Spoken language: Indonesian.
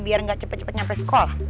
biar gak cepet cepet nyampe sekolah